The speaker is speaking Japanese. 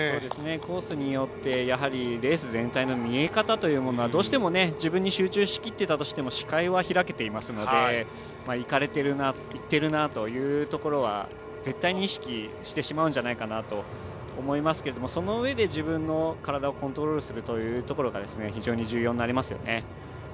コースによってレース全体の見え方というものはどうしても自分に集中しきっていたとしても視界は開けていますのでいかれているないってるなというところは絶対に意識してしまうんじゃないかなと思いますけどもそのうえで自分の体をコントロールするというところが非常に重要になりますよね。